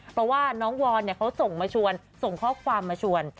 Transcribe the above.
เพราะว่าน้องวอนเขาส่งมาชวนส่งข้อความมาชวน